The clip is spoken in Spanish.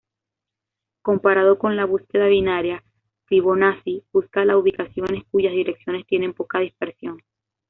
Comparado con la búsqueda binaria, Fibonacci busca las ubicaciones cuyas direcciones tienen poca dispersión.